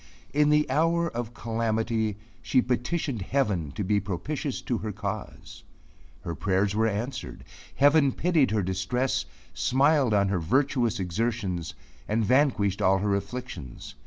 In the hour of calamity she petitioned heaven to be propitious to her cause. Her prayers were heard. Heaven pitied her distress, smiled on her virtuous exertions, and vanquished all her afflictions.